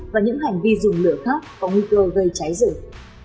và những hành vi dùng lửa khác có nguy cơ gây cháy rừng